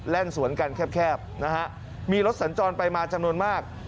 สวนกันแคบนะฮะมีรถสัญจรไปมาจำนวนมาก